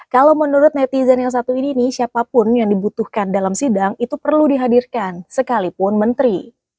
kalau menurut netizen yang satu ini nih siapapun yang dibutuhkan dalam sidang itu perlu dihadirkan sekalipun menteri